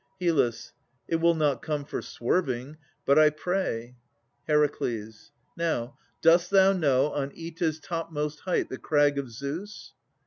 HYL. It will not come for swerving: but I pray. HER. Now, dost thou know on Oeta's topmost height The crag of Zeus?